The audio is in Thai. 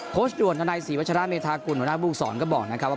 ด่วนในศรีวัชราเมธากุลหัวหน้าภูมิสอนก็บอกนะครับว่า